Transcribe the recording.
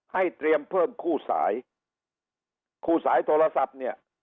เตรียมเพิ่มคู่สายคู่สายโทรศัพท์เนี่ย